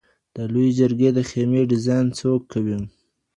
د لویې جرګي د خیمې ډیزاین څوک کوي؟